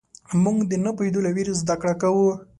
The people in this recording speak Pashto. موږ د نه پوهېدو له وېرې زدهکړه کوو.